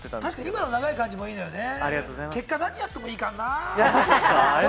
今の長い感じもいいんだよね。